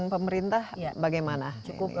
pemerintah bagaimana cukup